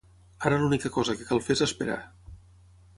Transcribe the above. Ara l'única cosa que cal fer és esperar.